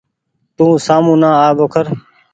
تو سآمو نآ آ ٻوکر۔